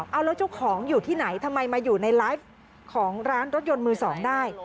เอาแล้วเจ้าของอยู่ที่ไหนทำไมมาอยู่ในไลฟ์ของร้านรถยนต์มือสองได้